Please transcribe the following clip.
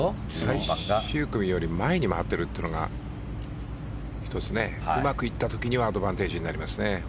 最終組より前に回っているっていうのが１つ、うまくいった時にはアドバンテージになりますね。